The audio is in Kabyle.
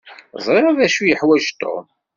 Ẓriɣ d acu i yeḥwaǧ Tom.